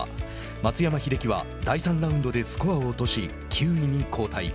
松山英樹は第３ラウンドでスコアを落とし９位に後退。